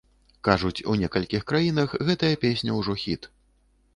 Кажуць, у некалькіх краінах гэтая песня ўжо хіт.